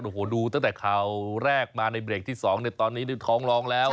โอ้โหดูตั้งแต่ข่าวแรกมาในเบรกที่๒ตอนนี้ได้ท้องร้องแล้ว